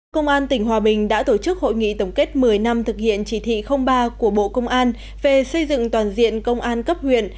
công an tỉnh hòa bình đã tổ chức hội nghị tổng kết một mươi năm thực hiện chỉ thị ba của bộ công an về xây dựng toàn diện công an cấp huyện